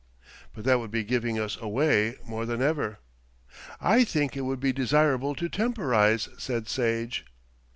"But that would be giving us away more than ever." "I think it would be desirable to temporise," said Sage.